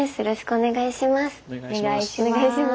お願いします。